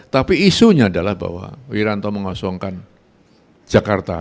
tapi isunya adalah bahwa wiranto mengosongkan jakarta